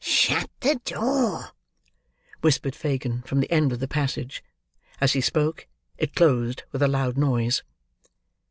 "Shut the door," whispered Fagin from the end of the passage. As he spoke, it closed with a loud noise.